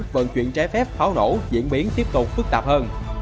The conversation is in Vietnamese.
vận chuyển trái phép pháo nổ diễn biến tiếp tục phức tạp hơn